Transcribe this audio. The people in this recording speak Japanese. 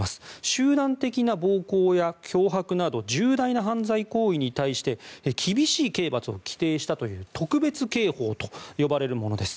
集団的な暴行や脅迫など重大な犯罪行為に対して厳しい刑罰を規定したという特別刑法と呼ばれるものです。